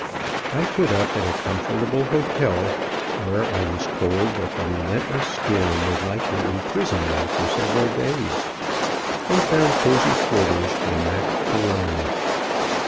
I put up at a comfortable hotel, where I was told that the relentless storm would likely imprison me several days, and found cozy quarters for Mac A'Rony.